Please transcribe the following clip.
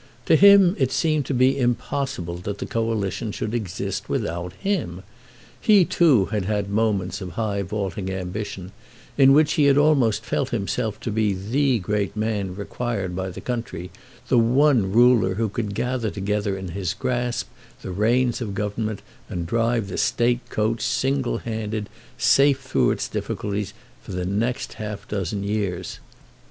To him it seemed to be impossible that the Coalition should exist without him. He too had had moments of high vaulting ambition, in which he had almost felt himself to be the great man required by the country, the one ruler who could gather together in his grasp the reins of government and drive the State coach single handed safe through its difficulties for the next half dozen years.